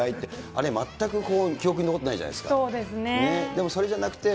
あれ、全く記憶に残ってないじゃないですか。